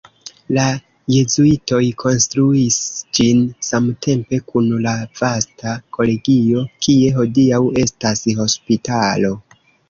La jezuitoj konstruis ĝin samtempe kun la vasta kolegio, kie hodiaŭ estas hospitalo.